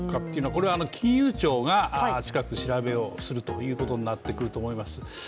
これは金融庁が近く調べをすることになってくると思います。